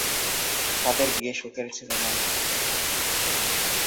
তাদের বিয়ে সুখের ছিল না।